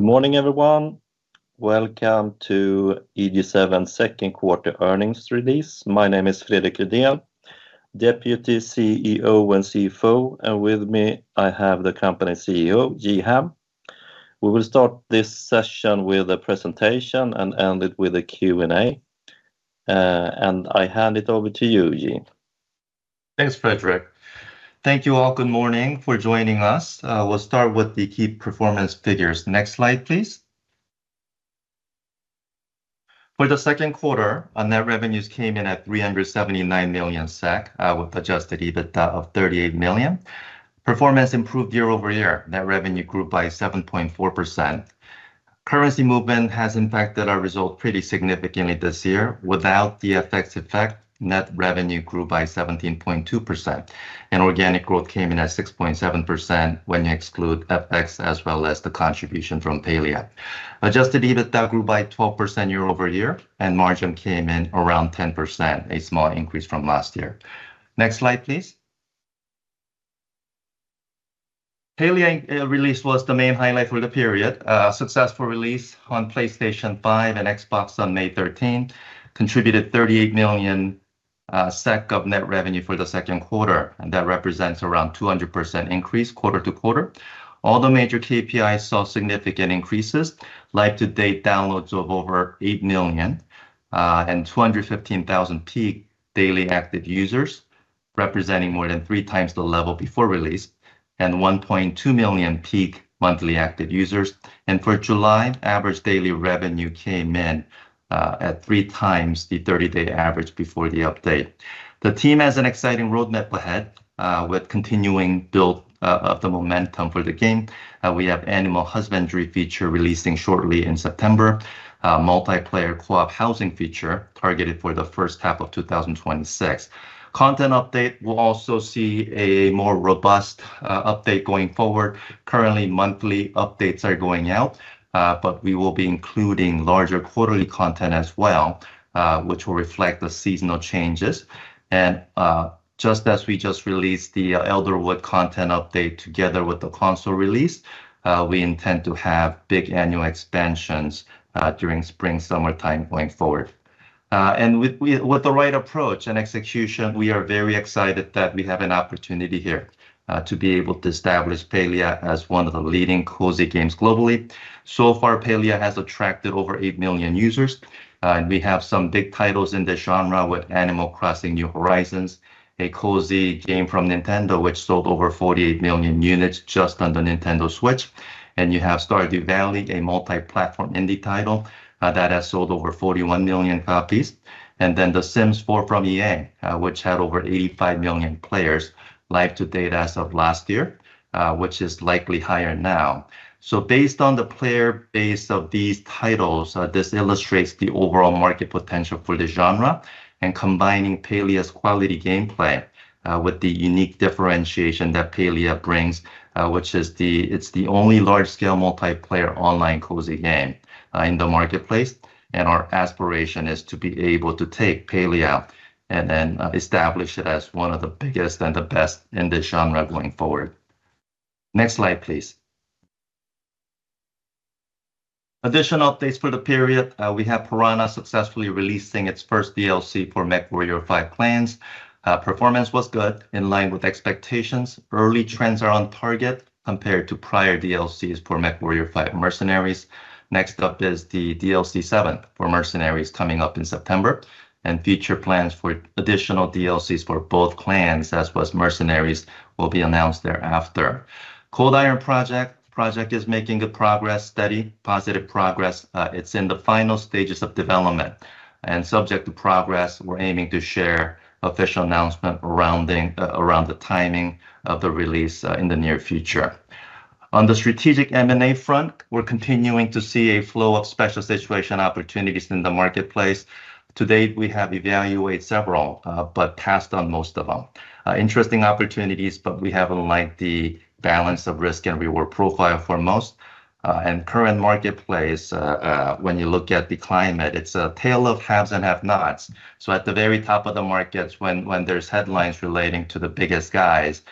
Good morning, everyone. Welcome to EG7's Second Quarter Earnings Release. My name is Fredrik Rüdén, Deputy CEO and CFO, and with me, I have the company CEO, Ji Ham. We will start this session with a presentation and end it with a Q&A. I hand it over to you, Ji. Thanks, Fredrik. Thank you all. Good morning for joining us. We'll start with the key performance figures. Next slide, please. For the second quarter, net revenues came in at 379 million SEK, with an adjusted EBITDA of 38 million. Performance improved year over year. Net revenue grew by 7.4%. Currency movement has impacted our result pretty significantly this year. Without the FX effect, net revenue grew by 17.2%, and organic growth came in at 6.7% when you exclude FX as well as the contribution from Palia. Adjusted EBITDA grew by 12% year over year, and margin came in around 10%, a small increase from last year. Next slide, please. Palia's release was the main highlight for the period. A successful release on PlayStation 5 and Xbox on May 13th contributed 38 million SEK of net revenue for the second quarter, and that represents around a 200% increase quarter to quarter. All the major KPIs saw significant increases, like to date downloads of over 8 million and 215,000 peak daily active users, representing more than 3x the level before release, and 1.2 million peak monthly active users. For July, average daily revenue came in at 3x the 30-day average before the update. The team has an exciting roadmap ahead with continuing to build up the momentum for the game. We have the Animal Husbandry feature releasing shortly in September, a multiplayer co-op housing feature targeted for the first half of 2026. Content update will also see a more robust update going forward. Currently, monthly updates are going out, but we will be including larger quarterly content as well, which will reflect the seasonal changes. Just as we just released the Elderwood content update together with the console release, we intend to have big annual expansions during spring and summertime going forward. With the right approach and execution, we are very excited that we have an opportunity here to be able to establish Palia as one of the leading cozy games globally. So far, Palia has attracted over 8 million users, and we have some big titles in the genre with Animal Crossing: New Horizons, a cozy game from Nintendo which sold over 48 million units just on the Nintendo Switch. You have Stardew Valley, a multi-platform indie title that has sold over 41 million copies. The Sims 4 from EA had over 85 million players live to date as of last year, which is likely higher now. Based on the player base of these titles, this illustrates the overall market potential for the genre. Combining Palia's quality gameplay with the unique differentiation that Palia brings, which is the only large-scale multiplayer online cozy game in the marketplace, our aspiration is to be able to take Palia and establish it as one of the biggest and the best in the genre going forward. Next slide, please. Additional updates for the period. We have Piranha successfully releasing its first DLC for MechWarrior 5: Clans. Performance was good, in line with expectations. Early trends are on target compared to prior DLCs for MechWarrior 5: Mercenaries. Next up is the DLC 7 for Mercenaries coming up in September, and future plans for additional DLCs for both Clans as well as Mercenaries will be announced thereafter. Cold Iron Project is making good progress, steady, positive progress. It's in the final stages of development and, subject to progress, we're aiming to share an official announcement around the timing of the release in the near future. On the strategic M&A front, we're continuing to see a flow of special situation opportunities in the marketplace. To date, we have evaluated several, but passed on most of them. Interesting opportunities, but we have a lengthy balance of risk and reward profile for most. In the current marketplace, when you look at the climate, it's a tale of haves and have-nots. At the very top of the markets, when there's headlines relating to the biggest guys,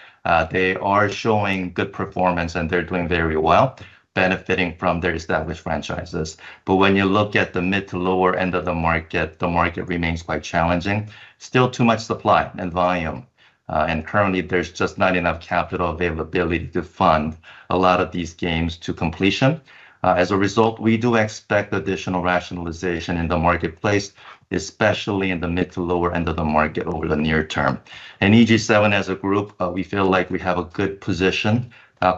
they are showing good performance and they're doing very well, benefiting from their established franchises. When you look at the mid to lower end of the market, the market remains quite challenging. There is still too much supply and volume, and currently there's just not enough capital availability to fund a lot of these games to completion. As a result, we do expect additional rationalization in the marketplace, especially in the mid to lower end of the market over the near term. EG7, as a group, we feel like we have a good position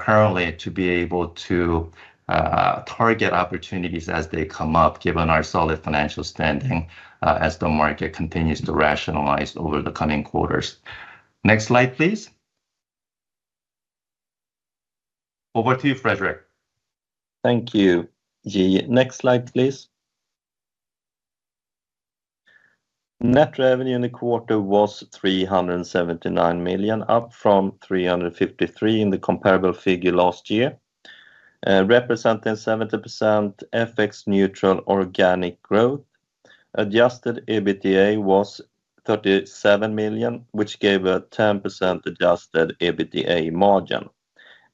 currently to be able to target opportunities as they come up, given our solid financial standing as the market continues to rationalize over the coming quarters. Next slide, please. Over to you, Fredrik. Thank you, Ji. Next slide, please. Net revenue in the quarter was 379 million, up from 353 million in the comparable figure last year, representing 70% FX-neutral organic growth. Adjusted EBITDA was 37 million, which gave a 10% adjusted EBITDA margin.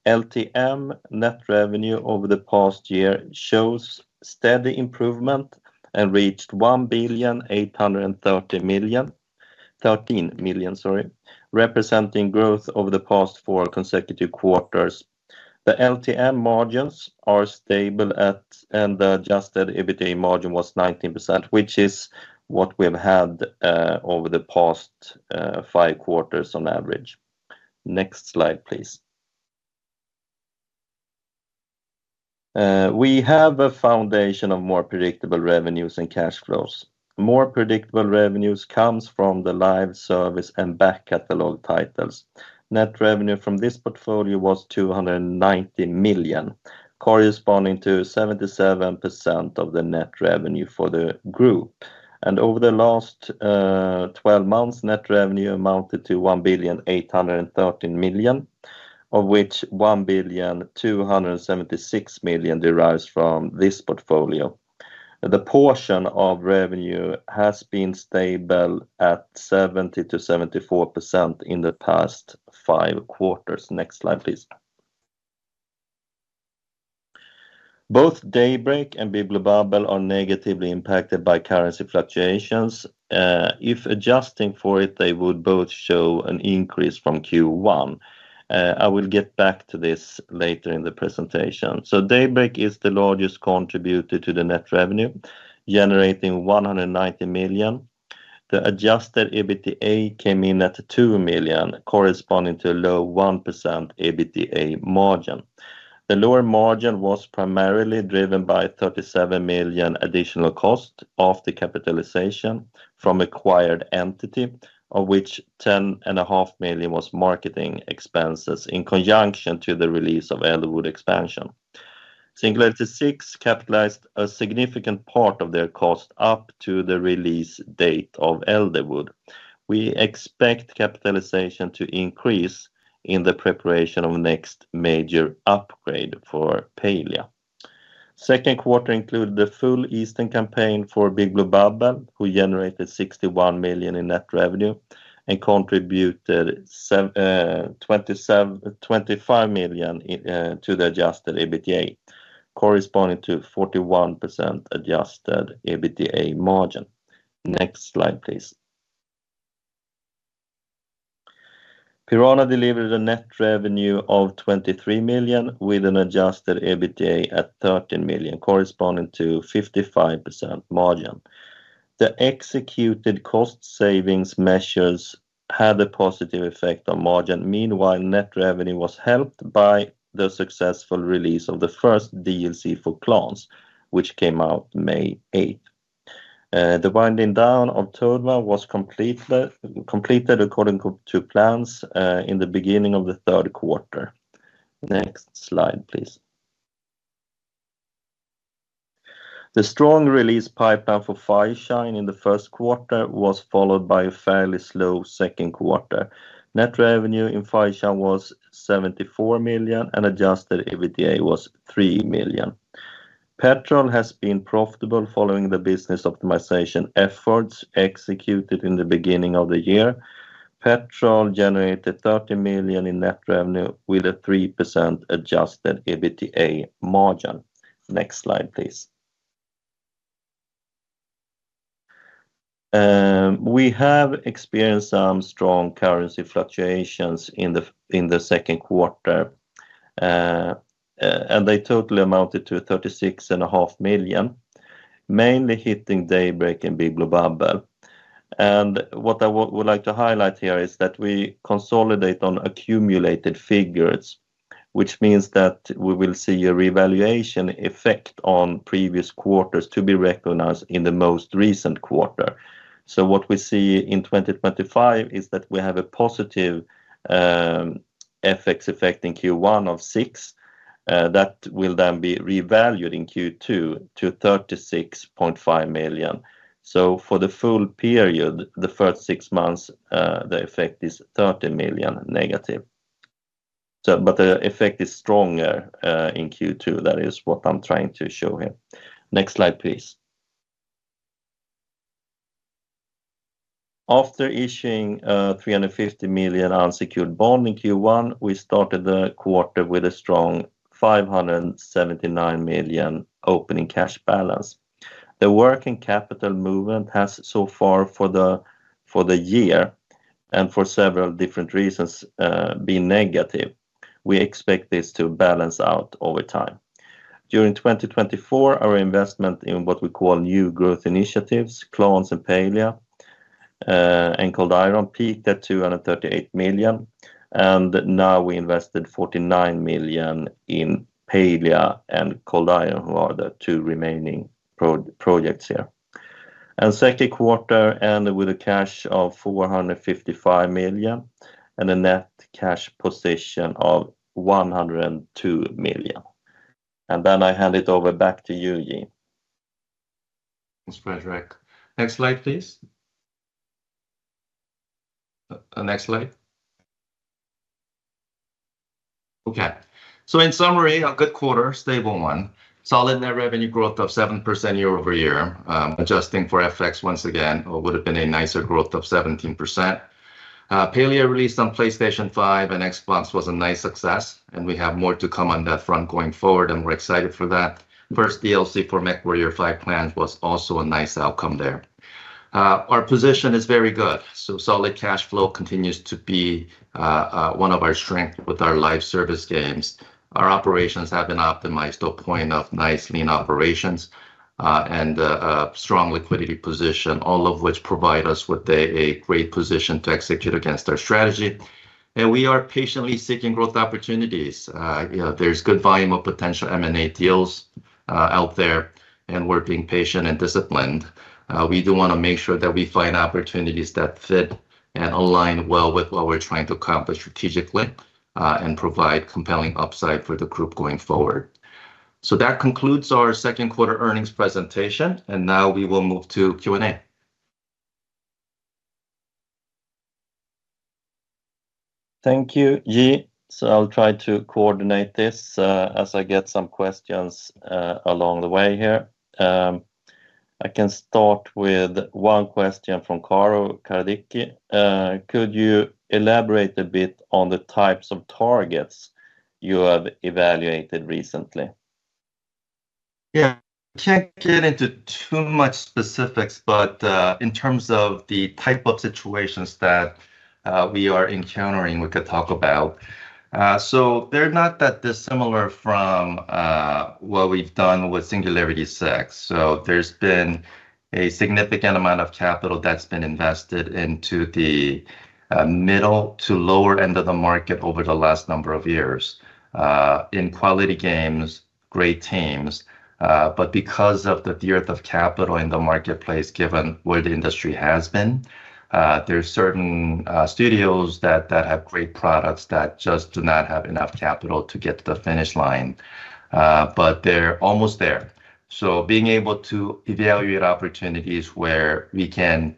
LTM net revenue over the past year shows steady improvement and reached 1.813 billion, representing growth over the past four consecutive quarters. The LTM margins are stable at. The adjusted EBITDA margin was 19%, which is what we've had over the past five quarters on average. Next slide, please. We have a foundation of more predictable revenues and cash flows. More predictable revenues come from the live service and back catalog titles. Net revenue from this portfolio was 290 million, corresponding to 77% of the net revenue for the group. Over the last 12 months, net revenue amounted to 1.813 billion, of which 1.276 billion derives from this portfolio. The portion of revenue has been stable at 70%-74% in the past five quarters. Next slide, please. Both Daybreak and Big Blue Bubble are negatively impacted by currency fluctuations. If adjusting for it, they would both show an increase from Q1. I will get back to this later in the presentation. Daybreak Games is the largest contributor to the net revenue, generating 190 million. The adjusted EBITDA came in at 2 million, corresponding to a low 1% EBITDA margin. The lower margin was primarily driven by 37 million additional cost of the capitalization from acquired entity, of which 10.5 million was marketing expenses in conjunction to the release of Elderwood expansion. Singularity 6 capitalized a significant part of their cost up to the release date of Elderwood. We expect capitalization to increase in the preparation of the next major upgrade for Palia. The second quarter included the full Eastern campaign for Big Blue Bubble, who generated 61 million in net revenue and contributed 25 million to the adjusted EBITDA, corresponding to a 41% adjusted EBITDA margin. Next slide, please. Piranha delivered a net revenue of 23 million with an adjusted EBITDA at 13 million, corresponding to a 55% margin. The executed cost savings measures had a positive effect on margin. Meanwhile, net revenue was helped by the successful release of the first DLC for Clans, which came out May 8th. The winding down of Toadman was completed according to plans in the beginning of the third quarter. Next slide, please. The strong release pipeline for Fireshine in the first quarter was followed by a fairly slow second quarter. Net revenue in Fireshine was 74 million, and adjusted EBITDA was 3 million. PETROL has been profitable following the business optimization efforts executed in the beginning of the year. PETROL generated 30 million in net revenue with a 3% adjusted EBITDA margin. Next slide, please. We have experienced some strong currency fluctuations in the second quarter, and they totally amounted to 36.5 million, mainly hitting Daybreak and Big Blue Bubble. What I would like to highlight here is that we consolidate on accumulated figures, which means that we will see a revaluation effect on previous quarters to be recognized in the most recent quarter. What we see in 2025 is that we have a positive FX effect in Q1 of 6 million that will then be revalued in Q2 to 36.5 million. For the full period, the first six months, the effect is -30 million. The effect is stronger in Q2. That is what I'm trying to show here. Next slide, please. After issuing 350 million unsecured bonds in Q1, we started the quarter with a strong 579 million opening cash balance. The working capital movement has so far for the year and for several different reasons been negative. We expect this to balance out over time. During 2024, our investment in what we call new growth initiatives, Clans and Palia and Cold Iron, peaked at 238 million. Now we invested 49 million in Palia and Cold Iron, who are the two remaining projects here. The second quarter ended with a cash of 155 million and a net cash position of 102 million. I hand it over back to you, Ji. Thanks, Fredrik. Next slide, please. Next slide. Okay. In summary, a good quarter, stable one. Solid net revenue growth of 7% year over year, adjusting for FX once again, or would have been a nicer growth of 17%. Palia's release on PlayStation 5 and Xbox was a nice success, and we have more to come on that front going forward, and we're excited for that. First DLC for MechWarrior 5: Clans was also a nice outcome there. Our position is very good. Solid cash flow continues to be one of our strengths with our live service games. Our operations have been optimized to a point of nice lean operations and a strong liquidity position, all of which provide us with a great position to execute against our strategy. We are patiently seeking growth opportunities. There's good volume of potential M&A deals out there, and we're being patient and disciplined. We do want to make sure that we find opportunities that fit and align well with what we're trying to accomplish strategically and provide compelling upside for the group going forward. That concludes our second quarter earnings presentation, and now we will move to Q&A. Thank you, Ji. I'll try to coordinate this as I get some questions along the way here. I can start with one question from Caro Kardiki. Could you elaborate a bit on the types of targets you have evaluated recently? Yeah. Can't get into too much specifics, but in terms of the type of situations that we are encountering, we could talk about. They're not that dissimilar from what we've done with Singularity 6. There's been a significant amount of capital that's been invested into the middle to lower end of the market over the last number of years in quality games, great teams. Because of the dearth of capital in the marketplace, given where the industry has been, there are certain studios that have great products that just do not have enough capital to get to the finish line. They're almost there. Being able to evaluate opportunities where we can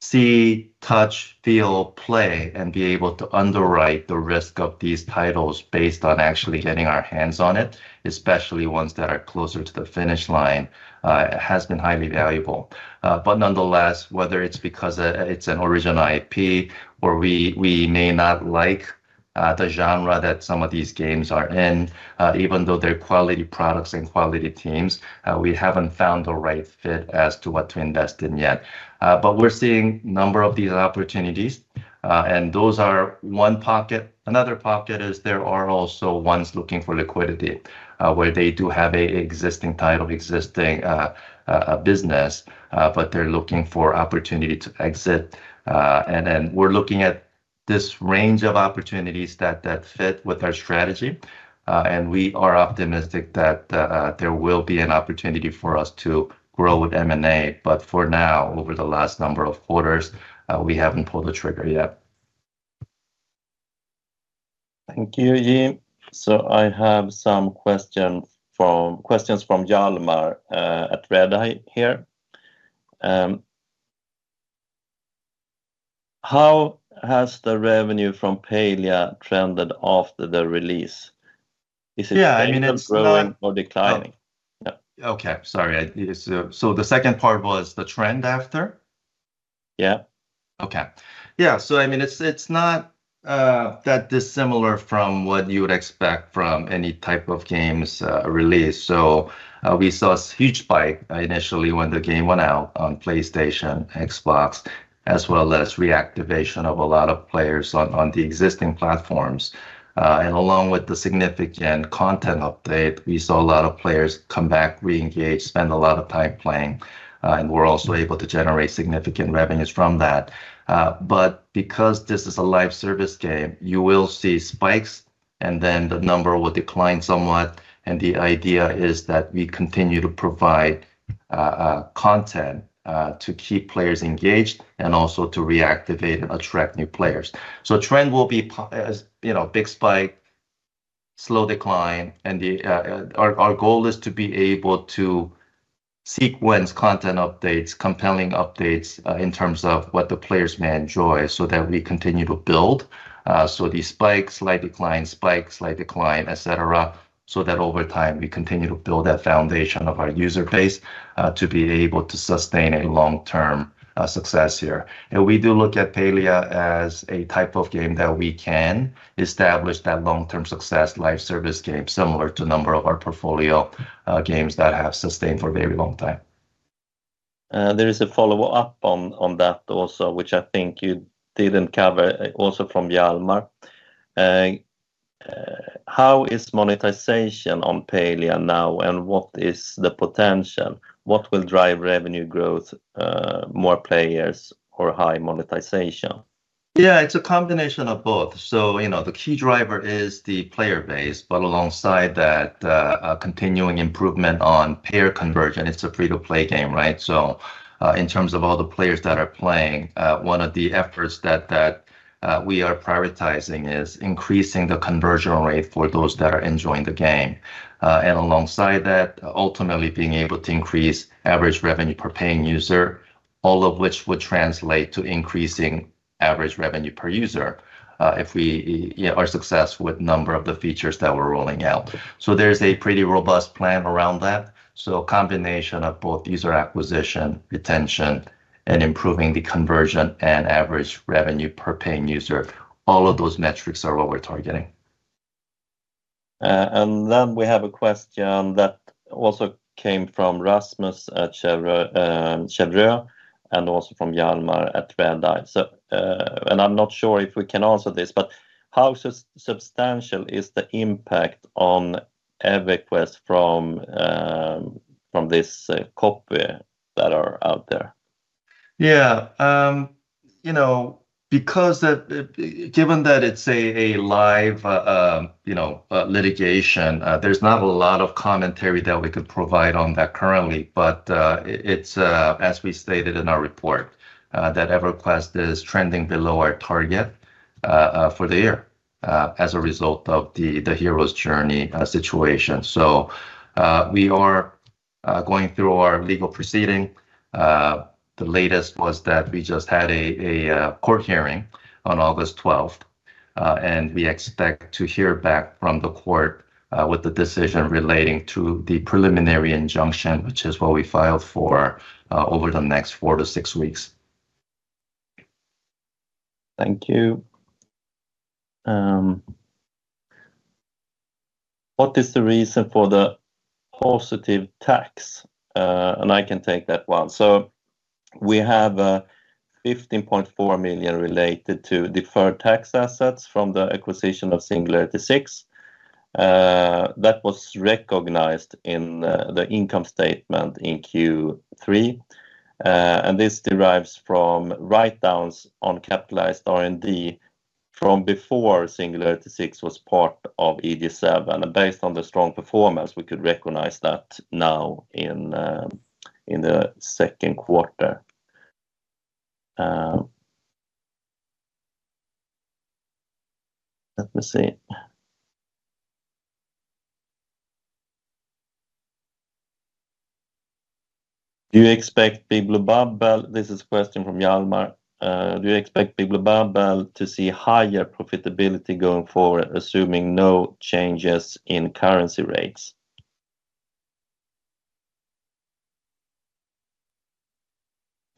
see, touch, feel, play, and be able to underwrite the risk of these titles based on actually getting our hands on it, especially ones that are closer to the finish line, has been highly valuable. Nonetheless, whether it's because it's an original IP or we may not like the genre that some of these games are in, even though they're quality products and quality teams, we haven't found the right fit as to what to invest in yet. We're seeing a number of these opportunities, and those are one pocket. Another pocket is there are also ones looking for liquidity where they do have an existing title, existing business, but they're looking for opportunity to exit. We're looking at this range of opportunities that fit with our strategy, and we are optimistic that there will be an opportunity for us to grow with M&A. For now, over the last number of quarters, we haven't pulled the trigger yet. Thank you, Ji. I have some questions from Yalimar at Redeye here. How has the revenue from Palia trended after the release? Is it still growing or declining? Yeah. Okay. Sorry, the second part was the trend after? Yeah. Okay. Yeah. So I mean, it's not that dissimilar from what you would expect from any type of games release. We saw a huge buy initially when the game went out on PlayStation, Xbox, as well as reactivation of a lot of players on the existing platforms. Along with the significant content update, we saw a lot of players come back, re-engage, spend a lot of time playing, and we're also able to generate significant revenues from that. Because this is a live service game, you will see spikes, and then the number will decline somewhat. The idea is that we continue to provide content to keep players engaged and also to reactivate and attract new players. The trend will be a big spike, slow decline, and our goal is to be able to sequence content updates, compelling updates in terms of what the players may enjoy so that we continue to build. These spikes, slight decline, spikes, slight decline, et cetera, so that over time we continue to build that foundation of our user base to be able to sustain a long-term success here. We do look at Palia as a type of game that we can establish that long-term success, live service game, similar to a number of our portfolio games that have sustained for a very long time. There is a follow-up on that also, which I think you didn't cover also from Yalimar. How is monetization on Palia now, and what is the potential? What will drive revenue growth, more players, or high monetization? Yeah, it's a combination of both. The key driver is the player base, but alongside that, continuing improvement on player conversion. It's a free-to-play game, right? In terms of all the players that are playing, one of the efforts that we are prioritizing is increasing the conversion rate for those that are enjoying the game. Alongside that, ultimately being able to increase average revenue per paying user, all of which would translate to increasing average revenue per user if we are successful with a number of the features that we're rolling out. There's a pretty robust plan around that. A combination of both user acquisition, retention, and improving the conversion and average revenue per paying user, all of those metrics are what we're targeting. We have a question that also came from Rasmus at Cheuvreux and also from Yalimar at Redeye. I'm not sure if we can answer this, but how substantial is the impact on EverQuest from these copy that are out there? Yeah. You know, given that it's a live litigation, there's not a lot of commentary that we could provide on that currently. As we stated in our report, EverQuest is trending below our target for the year as a result of the Heroes Journey situation. We are going through our legal proceeding. The latest was that we just had a court hearing on August 12th, and we expect to hear back from the court with the decision relating to the preliminary injunction, which is what we filed for, over the next four to six weeks. Thank you. What is the reason for the positive tax? I can take that one. We have 15.4 million related to deferred tax assets from the acquisition of Singularity 6 that was recognized in the income statement in Q3. This derives from write-downs on capitalized R&D from before Singularity 6 was part of EG7. Based on the strong performance, we could recognize that now in the second quarter. Let me see. Do you expect Big Blue Bubble? This is a question from Yalimar. Do you expect Big Blue Bubble to see higher profitability going forward, assuming no changes in currency rates?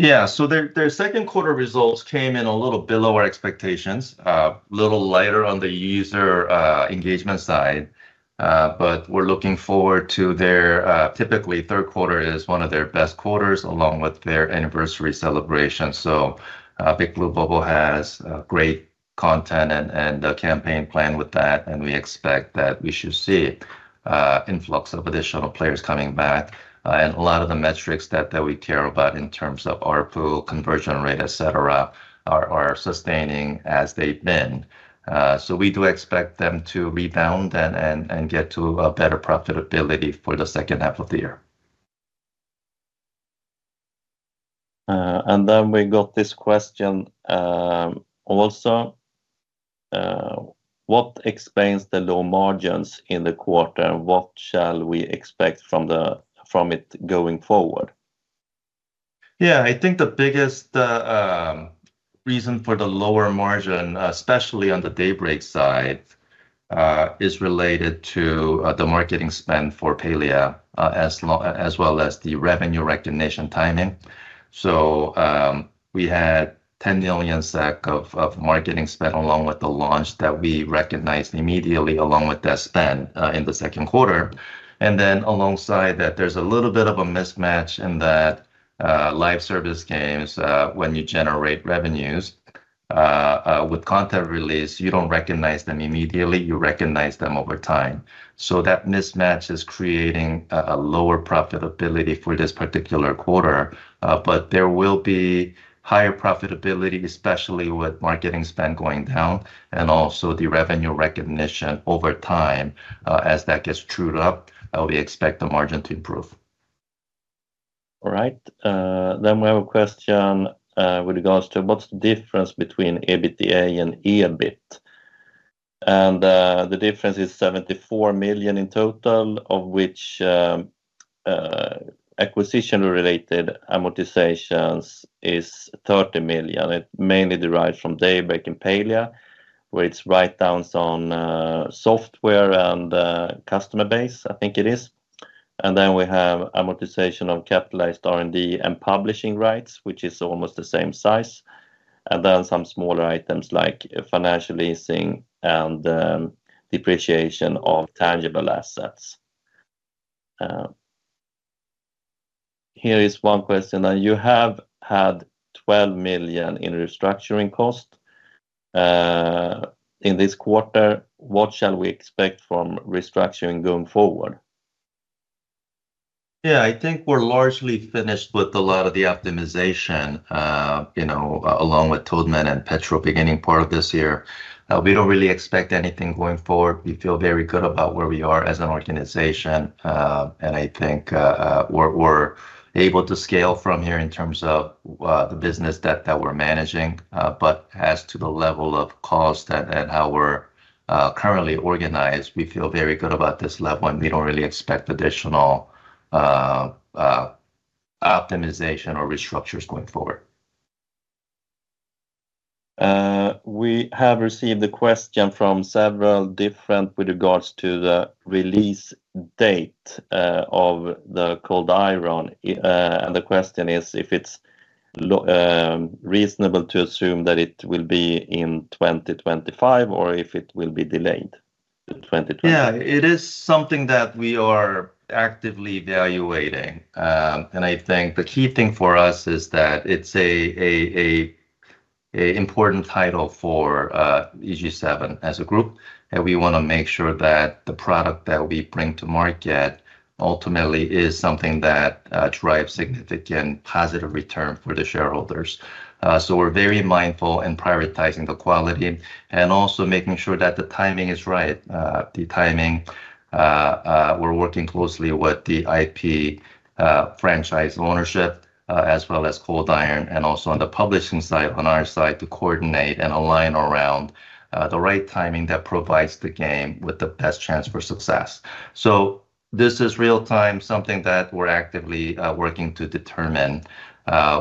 Yeah. Their second quarter results came in a little below our expectations, a little lighter on the user engagement side. We're looking forward to their typically third quarter, which is one of their best quarters along with their anniversary celebration. Big Blue Bubble has great content and a campaign plan with that, and we expect that we should see an influx of additional players coming back. A lot of the metrics that we care about in terms of ARPU, conversion rate, et cetera, are sustaining as they've been. We do expect them to rebound and get to a better profitability for the second half of the year. We got this question also. What explains the low margins in the quarter? What shall we expect from it going forward? Yeah, I think the biggest reason for the lower margin, especially on the Daybreak side, is related to the marketing spend for Palia, as well as the revenue recognition timing. We had 10 million of marketing spend along with the launch that we recognized immediately along with that spend in the second quarter. Alongside that, there's a little bit of a mismatch in that live service games, when you generate revenues with content release, you don't recognize them immediately. You recognize them over time. That mismatch is creating a lower profitability for this particular quarter. There will be higher profitability, especially with marketing spend going down and also the revenue recognition over time. As that gets trued up, we expect the margin to improve. All right. We have a question with regards to what's the difference between EBITDA and EBIT? The difference is 74 million in total, of which acquisition-related amortization is 30 million. It mainly derives from Daybreak and Palia, where it's write-downs on software and customer base, I think it is. We have amortization on capitalized R&D and publishing rights, which is almost the same size. There are some smaller items like financial leasing and depreciation of tangible assets. Here is one question. You have had 12 million in restructuring costs in this quarter. What shall we expect from restructuring going forward? Yeah, I think we're largely finished with a lot of the optimization, you know, along with Toadman and PETROL beginning part of this year. We don't really expect anything going forward. We feel very good about where we are as an organization. I think we're able to scale from here in terms of the business that we're managing. As to the level of cost and how we're currently organized, we feel very good about this level. We don't really expect additional optimization or restructures going forward. We have received a question from several different with regards to the release date of the Cold Iron. The question is if it's reasonable to assume that it will be in 2025 or if it will be delayed in 2025. Yeah, it is something that we are actively evaluating. I think the key thing for us is that it's an important title for EG7 as a group. We want to make sure that the product that we bring to market ultimately is something that drives significant positive return for the shareholders. We are very mindful and prioritizing the quality and also making sure that the timing is right. The timing, we're working closely with the IP franchise ownership, as well as Cold Iron, and also on the publishing side, on our side, to coordinate and align around the right timing that provides the game with the best chance for success. This is real-time, something that we're actively working to determine.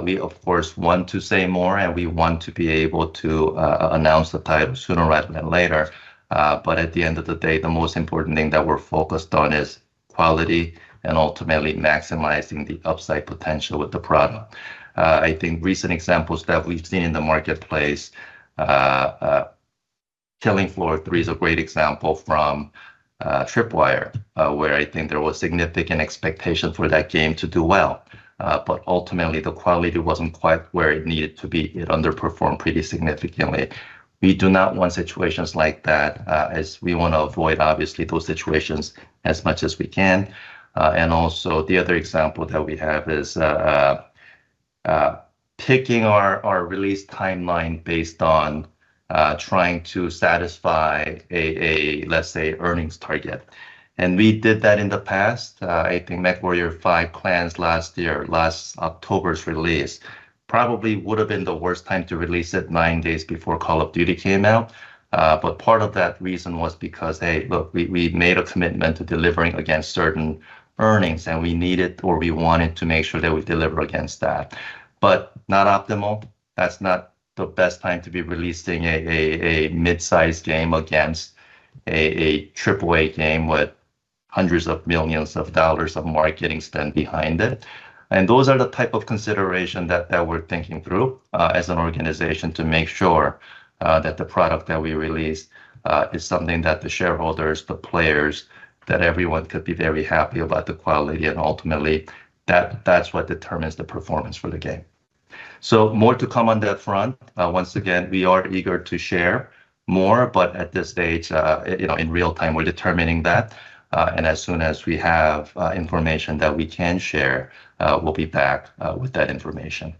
We, of course, want to say more, and we want to be able to announce the title sooner rather than later. At the end of the day, the most important thing that we're focused on is quality and ultimately maximizing the upside potential with the product. I think recent examples that we've seen in the marketplace, Killing Floor 3 is a great example from Tripwire, where I think there was significant expectation for that game to do well. Ultimately, the quality wasn't quite where it needed to be. It underperformed pretty significantly. We do not want situations like that, as we want to avoid, obviously, those situations as much as we can. The other example that we have is picking our release timeline based on trying to satisfy a, let's say, earnings target. We did that in the past. I think MechWarrior 5: Clans last year, last October's release, probably would have been the worst time to release it, nine days before Call of Duty came out. Part of that reason was because, hey, look, we made a commitment to delivering against certain earnings, and we needed or we wanted to make sure that we deliver against that. Not optimal. That's not the best time to be releasing a mid-sized game against a AAA game with hundreds of millions of dollars of marketing spend behind it. Those are the types of considerations that we're thinking through as an organization to make sure that the product that we release is something that the shareholders, the players, that everyone could be very happy about the quality. Ultimately, that's what determines the performance for the game. More to come on that front. Once again, we are eager to share more, but at this stage, in real time, we're determining that. As soon as we have information that we can share, we'll be back with that information.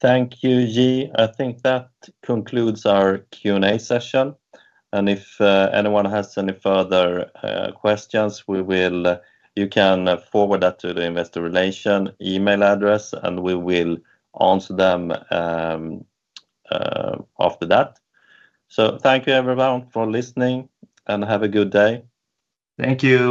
Thank you, Ji. I think that concludes our Q&A session. If anyone has any further questions, you can forward that to the investor relation email address, and we will answer them after that. Thank you, everyone, for listening, and have a good day. Thank you.